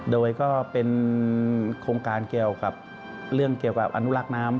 โดยก็เป็นโครงการเกี่ยวกับเรื่องเกี่ยวกับอนุรักษ์น้ำ